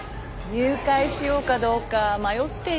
入会しようかどうか迷っていて。